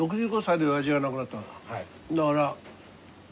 だから。